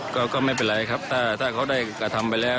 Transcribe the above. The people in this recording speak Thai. ก็ไม่เป็นไรครับถ้าเขาได้กระทำไปแล้ว